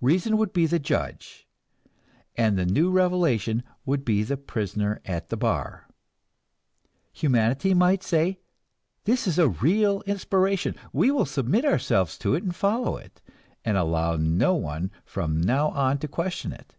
Reason would be the judge, and the new revelation would be the prisoner at the bar. Humanity might say, this is a real inspiration, we will submit ourselves to it and follow it, and allow no one from now on to question it.